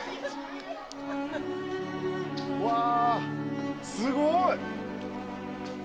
うわすごい。